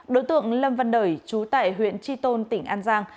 đối tượng lâm văn đời chú tại huyện tri tôn tỉnh an giang